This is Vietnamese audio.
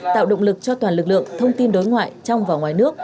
tạo động lực cho toàn lực lượng thông tin đối ngoại trong và ngoài nước